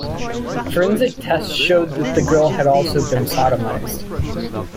Forensic tests showed that the girl had also been sodomized.